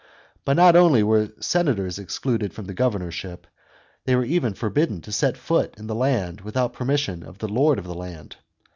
But not only were senators excluded from the governorship, they were even forbidden to set foot in the land without permission of the lord of the land.